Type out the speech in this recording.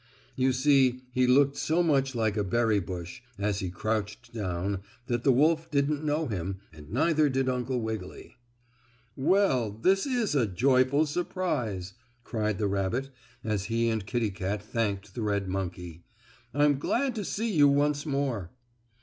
You see he looked so much like a berry bush, as he crouched down, that the wolf didn't know him, and neither did Uncle Wiggily. "Well, this is a joyful surprise!" cried the rabbit, as he and Kittie Kat thanked the red monkey. "I'm glad to see you once more."